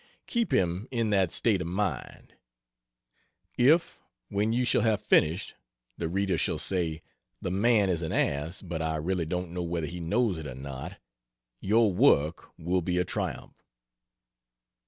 Keep him in that state of mind. If, when you shall have finished, the reader shall say, "The man is an ass, but I really don't know whether he knows it or not," your work will be a triumph.